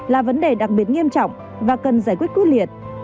là vấn đề đặc biệt nghiêm trọng và cần giải quyết quyết liệt